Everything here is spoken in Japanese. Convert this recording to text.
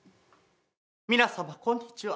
皆様、こんにちは。